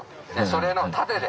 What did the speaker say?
それの縦で。